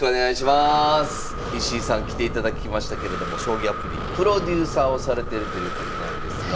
石井さん来ていただきましたけれども将棋アプリプロデューサーをされてるということなんですが。